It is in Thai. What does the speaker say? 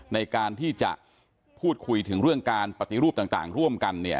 ในการที่จะพูดคุยถึงเรื่องการปฏิรูปต่างร่วมกันเนี่ย